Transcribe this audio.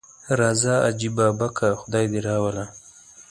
راځه حاجي بابکه خدای دې راوله.